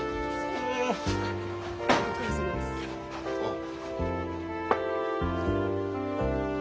ご苦労さまです。ああ。